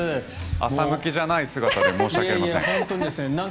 朝向けじゃない姿で申し訳ありません。